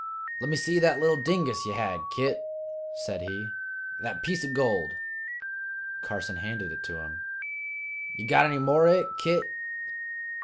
"Let me see that little dingus ye had, Kit," said he "that piece o' gold." Carson handed it to him. "Ye got any more o' hit, Kit?"